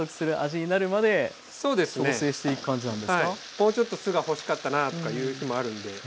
もうちょっと酢が欲しかったなとかいう日もあるんで。